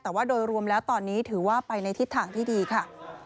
แต่ว่าโดยรวมแล้วตอนนี้ถือว่าไปในทิศทางที่ดีค่ะ